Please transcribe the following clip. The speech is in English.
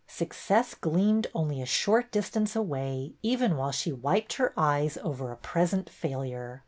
Success gleamed only a short distance away even while she wiped her eyes over a present failure.